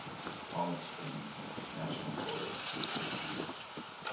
Holly Springs National Forest is to the east.